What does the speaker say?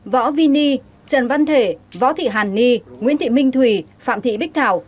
võ vini trần văn thể võ thị hàn ni nguyễn thị minh thùy phạm thị bích thảo